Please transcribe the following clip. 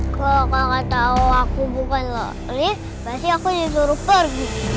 kalau kakak tau aku bukan lelis pasti aku disuruh pergi